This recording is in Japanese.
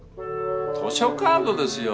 図書カードですよ。